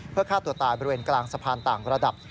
เพื่อฆ่าตัวตายบริเวณกลางสะพานต่างระดับ